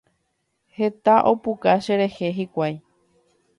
Heta opuka cherehe hikuái.